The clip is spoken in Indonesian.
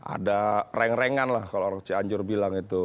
ada reng rengan lah kalau orang cianjur bilang itu